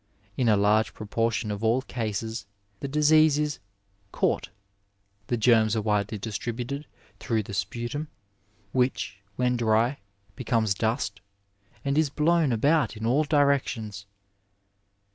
In a large proportion of all cases the disease is "caught." The germs are widely dis tributed through the sputum, which, when dry, becomes dust, and is blown about in all directions.